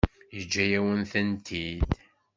Yeǧǧa-yawen-tent-id.